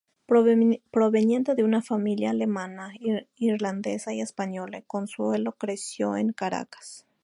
Proveniente de una familia alemana, irlandesa y española, Consuelo creció en Caracas.